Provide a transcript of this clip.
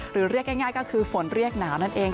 เรียกง่ายก็คือฝนเรียกหนาวนั่นเอง